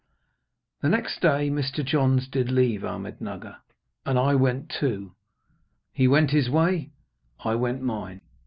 The next day Mr. Johns did leave Ahmednugger. And I went too. He went his way, I went mine.